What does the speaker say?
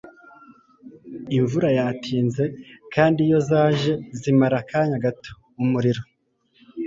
imvura yatinze, kandi, iyo zaje, zimara akanya gato. umuriro